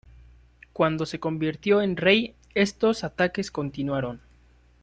Cuando se convirtió en rey, estos ataques continuaron.